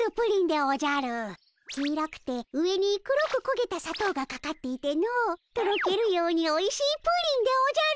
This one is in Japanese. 黄色くて上に黒くこげたさとうがかかっていてのとろけるようにおいしいプリンでおじゃる！